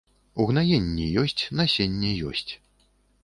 Угнаенні ёсць, насенне ёсць.